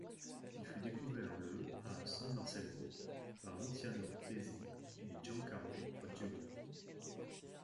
Il fut découvert le à San Marcello par Luciano Tesi et Giancarlo Fagioli.